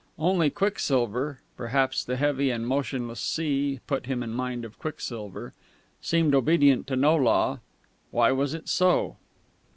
Only quicksilver (perhaps the heavy and motionless sea put him in mind of quicksilver) seemed obedient to no law.... Why was it so?